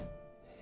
え？